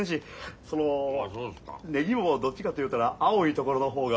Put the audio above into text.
そのネギもどっちかというたら青いところの方が。